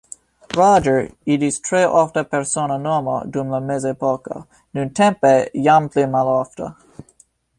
Roger iĝis tre ofta persona nomo dum la mezepoko, nuntempe jam pli malofta.